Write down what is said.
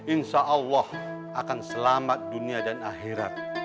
insya allah akan selamat dunia dan akhirat